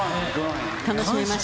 楽しめました。